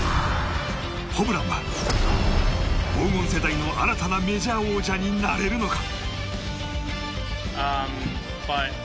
ホブランは黄金世代の新たなメジャー王者になれるのか。